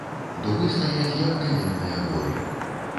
Дубы стаяць, як каменныя горы.